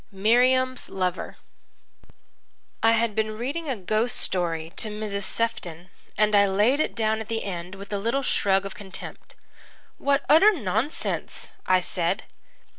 Miriam's Lover I had been reading a ghost story to Mrs. Sefton, and I laid it down at the end with a little shrug of contempt. "What utter nonsense!" I said.